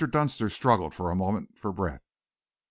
Dunster struggled for a moment for breath.